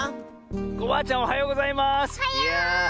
コバアちゃんおはようございます！